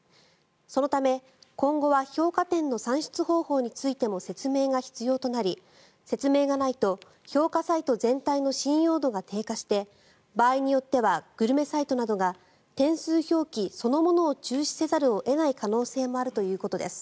そのため、今後は評価点の算出方法についても説明が必要となり説明がないと評価サイト全体の信用度が低下して場合によってはグルメサイトなどが点数表記そのものを中止せざるを得ない可能性もあるということです。